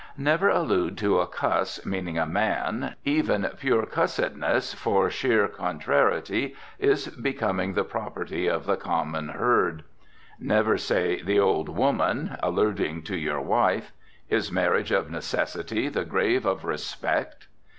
Never allude to a cuss, meaning a man. Even pure cussedness for sheer contrariety is becoming the property of the common herd. Never say "the old woman," alluding to your wife. Is marriage of necessity the grave of respect?